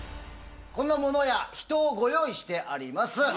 こんな物や人をご用意してあります。